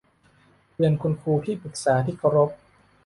เรียนคุณครูที่ปรึกษาที่เคารพ